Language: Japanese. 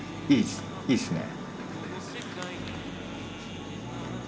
いいっすね。